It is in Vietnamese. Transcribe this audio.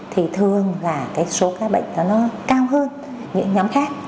thì thường là cái số ca bệnh nó cao hơn những nhóm khác